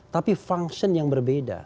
tapi fungsi yang berbeda